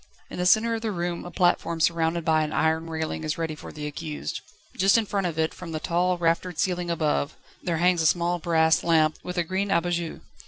In the centre of the room a platform surrounded by an iron railing is ready for the accused. Just in front of it, from the tall, raftered ceiling above, there hangs a small brass lamp, with a green _abat jour.